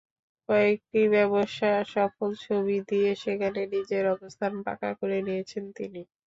কয়েকটি ব্যবসাসফল ছবি দিয়ে সেখানে নিজের অবস্থান পাকা করে নিয়েছেন তিনি।